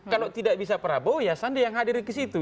kalau tidak bisa prabowo ya sandi yang hadir ke situ